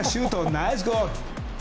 ナイスゴール！